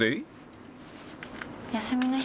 休みの日。